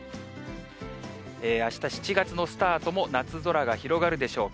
あした７月のスタートも夏空が広がるでしょう。